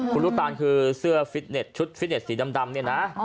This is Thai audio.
คุณลูกตาลคือเสื้อฟิตเน็ตชุดฟิตเน็ตสีดำเนี่ยนะ